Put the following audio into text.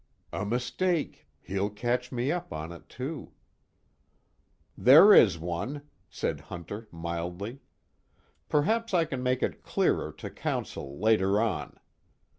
A mistake; he'll catch me up on it too. "There is one," said Hunter mildly. "Perhaps I can make it clearer to counsel later on.